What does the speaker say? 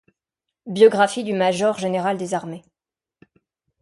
Biographie du major général des armées.